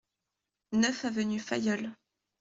neuf avenue Fayolle